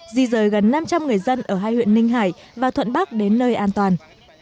di rời gần năm trăm linh người dân ở hai huyện ninh hải và thuận bắc đến nơi an toàn